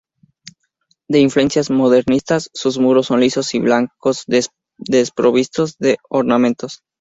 De influencias modernistas, sus muros son lisos y blancos desprovistos de ornamentos.